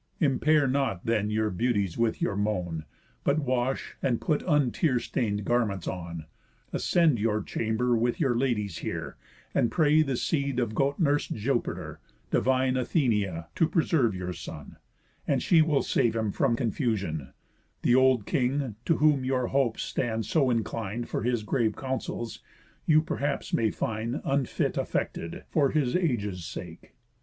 Impair not then your beauties with your moan, But wash, and put untear stain'd garments on, Ascend your chamber with your ladies here, And pray the seed of goat nurs'd Jupiter, Divine Athenia, to preserve your son, And she will save him from confusión, Th' old king, to whom your hopes stand so inclin'd For his grave counsels, you perhaps may find Unfit affected, for his age's sake.